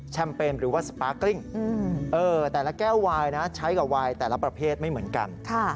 ใช้กับไวน์แต่ละประเภทไม่เหมือนกัน